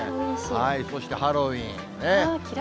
そしてハロウィーン。